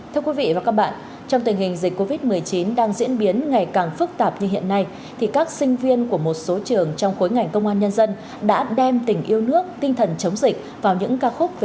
thưa quý vị và các bạn trong tình hình dịch covid một mươi chín đang diễn biến ngày càng phức tạp như hiện nay thì các sinh viên của một số trường trong khối ngành công an nhân dân đã đem tình yêu nước tinh thần chống dịch vào những ca khúc về